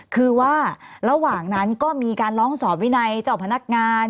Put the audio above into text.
คือว่าระหว่างนั้นก็มีการร้องสอบวินัยเจ้าพนักงาน